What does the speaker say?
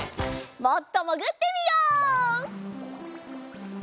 もっともぐってみよう！